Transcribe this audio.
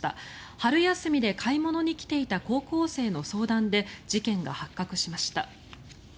春休みで買い物に来ていた高校生の相談で事件が発覚しました。